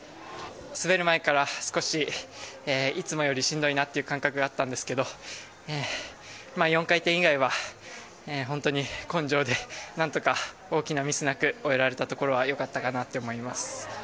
滑る前から少しいつもよりしんどいなという感覚があったんですが４回転以外は、本当に根性で何とか大きなミスなく終えられたところは良かったかなと思います。